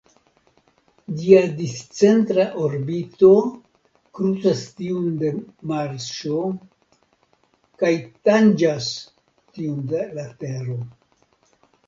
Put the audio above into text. Ĝia discentra orbito krucas tiun de Marso kaj tanĝas tiun de la Tero.